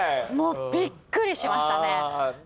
びっくりしましたね。